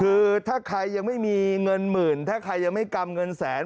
คือถ้าใครยังไม่มีเงินหมื่นถ้าใครยังไม่กำเงินแสน